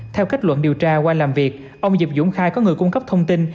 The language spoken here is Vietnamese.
theo kết luận điều tra qua làm việc ông diệp dũng khai có người cung cấp thông tin